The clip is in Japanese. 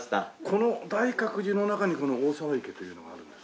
この大覚寺の中にこの大沢池というのがあるんですか？